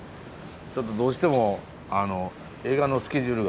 ちょっとどうしても映画のスケジュールがありまして。